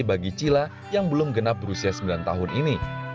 bagi cila yang belum genap berusia sembilan tahun ini